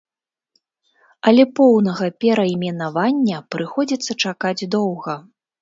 Але поўнага перайменавання прыходзіцца чакаць доўга.